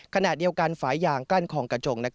ขณะเดียวกันฝ่ายยางกั้นคลองกระจง